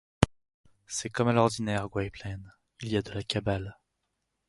C’est comme à l’ordinaire, Gwynplaine, il y a de la cabale.